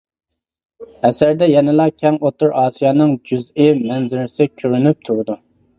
ئەسەردە يەنىلا كەڭ ئوتتۇرا ئاسىيانىڭ جۈزئىي مەنزىرىسى كۆرۈنۈپ تۇرىدۇ.